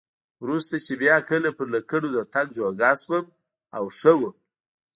وروسته چې بیا کله پر لکړو د تګ جوګه شوم او ښه وم.